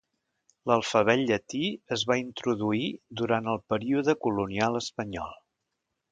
L'alfabet llatí es va introduir durant el període colonial espanyol.